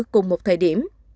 tập trung một thời điểm